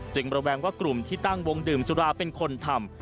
ระแวงว่ากลุ่มที่ตั้งวงดื่มสุราเป็นคนทำ